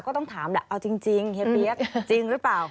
ก็ต้องถามแหละเอาจริงเฮียเปี๊ยกจริงหรือเปล่า